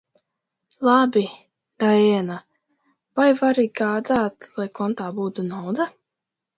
Labi, Daiena, vai vari gādāt, lai kontā būtu nauda?